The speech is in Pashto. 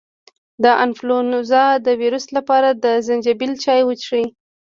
د انفلونزا د ویروس لپاره د زنجبیل چای وڅښئ